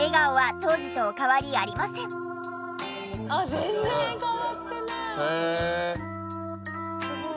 全然変わってない！